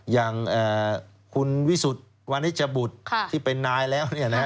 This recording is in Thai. อย่างคุณวิสุทธิ์วานิจบุตรที่เป็นนายแล้ว